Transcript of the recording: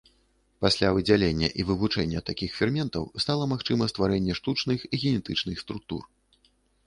Пасля выдзялення і вывучэння такіх ферментаў стала магчыма стварэнне штучных генетычных структур.